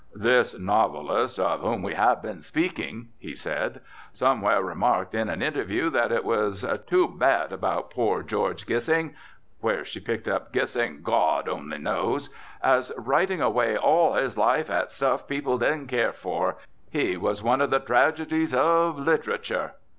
"This novelist of whom we have just been speaking," he said, "somewhere remarked in an interview that it was too bad about poor George Gissing where she picked up Gissing, God only knows as, writing away all his life at stuff people didn't care for, he was one of the tragedies of literature.